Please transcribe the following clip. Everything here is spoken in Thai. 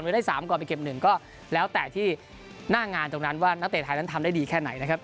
ได้๓ก่อนไปเก็บ๑ก็แล้วแต่ที่หน้างานตรงนั้นว่านักเตะไทยนั้นทำได้ดีแค่ไหนนะครับ